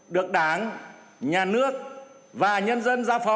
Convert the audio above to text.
được đảng nhà nước và nhân dân ra phó